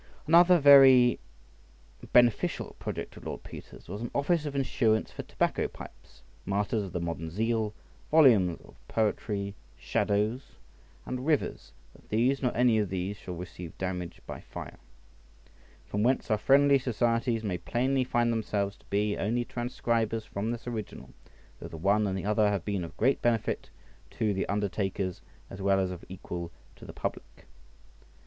Another very beneficial project of Lord Peter's was an office of insurance for tobacco pipes, martyrs of the modern zeal, volumes of poetry, shadows ... and rivers, that these, nor any of these, shall receive damage by fire. From whence our friendly societies may plainly find themselves to be only transcribers from this original, though the one and the other have been of great benefit to the undertakers as well as of equal to the public.